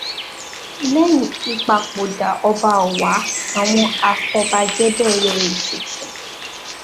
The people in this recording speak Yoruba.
Lẹ́yìn ìpapòdà Ọba Ọwá àwọn afọbajẹ bẹ̀rẹ̀ ètùtù.